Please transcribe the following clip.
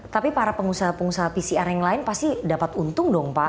tapi para pengusaha pengusaha pcr yang lain pasti dapat untung dong pak